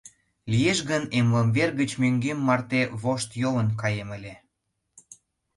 Лиеш гын, эмлымвер гыч мӧҥгем марте вошт йолын каем ыле.